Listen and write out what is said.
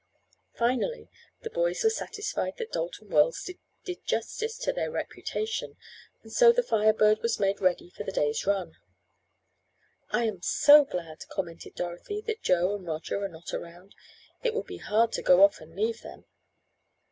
Finally the boys were satisfied that Dalton wells did justice to their reputation, and so the "Fire Bird" was made ready for the day's run. "I am so glad," commented Dorothy, "that Joe and Roger are not around, it would be hard to go off and leave them."